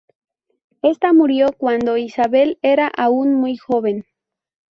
Esta murió cuando Isabel era aún muy joven.